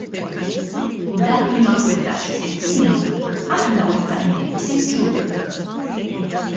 Dak li ma twettaqx f'sitt snin aħna wettaqnieh f'sitt xhur!